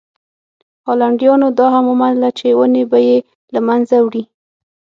هالنډیانو دا هم ومنله چې ونې به یې له منځه وړي.